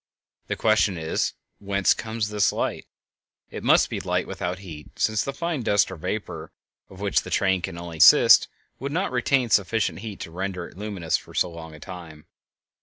The question is, Whence comes this light? It must be light without heat, since the fine dust or vapor of which the train can only consist would not retain sufficient heat to render it luminous for so long a time.